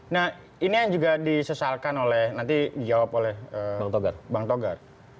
nah ini yang juga disesalkan oleh nanti dijawab oleh bang togar